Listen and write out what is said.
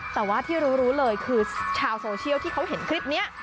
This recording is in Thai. แต่ว่าที่รู้เลยคือชาวโซเชียลที่เขาเห็นคลิปนี้